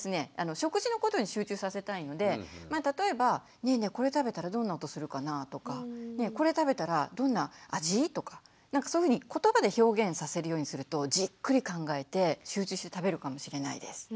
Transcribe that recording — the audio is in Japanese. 食事のことに集中させたいので例えば「ねえねえこれ食べたらどんな音するかな？」とか「これ食べたらどんな味？」とかそういうふうに言葉で表現させるようにするとじっくり考えて集中して食べるかもしれないです。